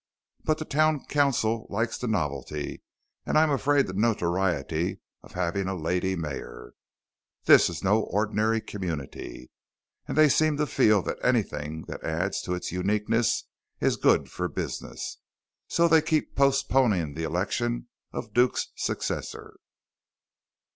But the town council likes the novelty, and I'm afraid, the notoriety, of having a 'lady mayor.' This is no ordinary community, and they seem to feel that anything that adds to its uniqueness is good for business. So they keep postponing the election of Duke's successor."